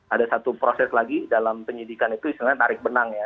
ada satu proses lagi dalam penyidikan itu istilahnya tarik benang ya